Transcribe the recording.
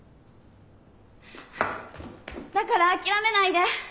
だから諦めないで。